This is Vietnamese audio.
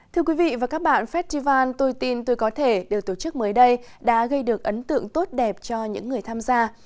thưa quý vị và các bạn festival tôi tin tôi có thể được tổ chức mới đây đã gây được ấn tượng tốt đẹp cho những người tham gia